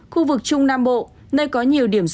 khu vực trung nam bộ nơi có nhiều điểm gió